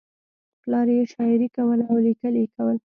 پلار یې شاعري کوله او لیکل یې کول